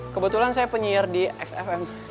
kebetulan saya penyiar di xfm